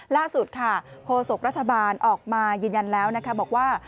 ล่าสุดโภษกรัฐบาลออกมายืนยันแล้วบอกว่า